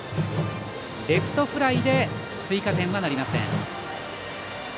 レフトフライで追加点はなりません。